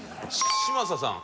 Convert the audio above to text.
嶋佐さん